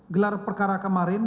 gelar perkara kemarin